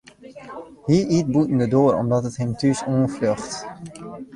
Hy yt bûten de doar omdat it him thús oanfljocht.